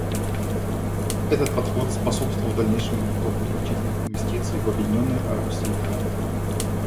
Этот подход способствовал дальнейшему притоку значительных инвестиций в Объединенные Арабские Эмираты.